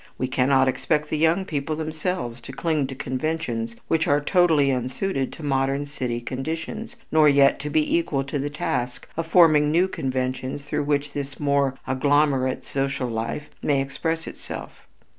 We cannot expect the young people themselves to cling to conventions which are totally unsuited to modern city conditions, nor yet to be equal to the task of forming new conventions through which this more agglomerate social life may express itself.